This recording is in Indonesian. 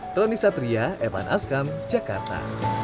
tony satria evan askam jakarta